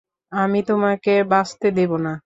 আমি তোমাকে বাঁচতে দেব না।